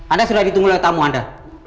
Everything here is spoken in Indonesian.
anda sudah ditunggu oleh tamu anda